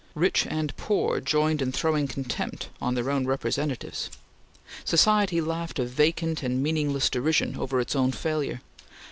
Rich and poor joined in throwing contempt on their own representatives. Society laughed a vacant and meaningless derision over its own failure.